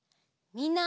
みんな。